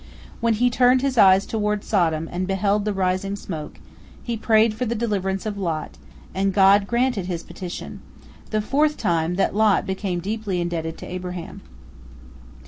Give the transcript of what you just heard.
When he turned his eyes toward Sodom and beheld the rising smoke, he prayed for the deliverance of Lot, and God granted his petition—the fourth time that Lot became deeply indebted to Abraham.